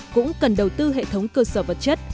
cũng cần đầu tư hệ thống cơ sở vật chất